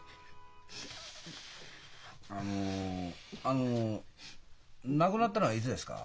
あの亡くなったのはいつですか？